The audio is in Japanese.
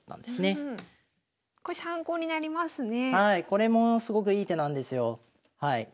これもすごくいい手なんですよ。